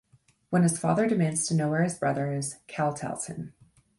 When his father demands to know where his brother is, Cal tells him.